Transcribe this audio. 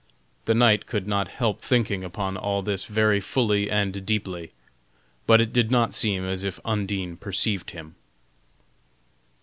The knight could not help thinking upon all this very fully and deeply, but it did not seem as if Undine perceived him.